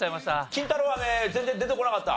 金太郎飴全然出てこなかった？